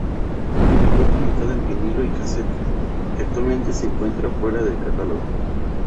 Fue publicado en vinilo y casete y actualmente se encuentra fuera de catálogo.